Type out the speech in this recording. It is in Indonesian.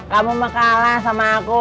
kamu mah kalah sama aku